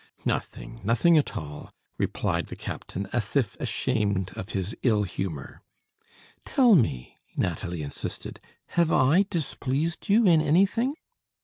"Nothing nothing at all!" replied the captain, as if ashamed of his ill humor. "Tell me," Nathalie insisted, "have I displeased you in anything?"